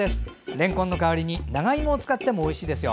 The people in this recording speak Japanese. れんこんの代わりに長芋を使ってもおいしいですよ。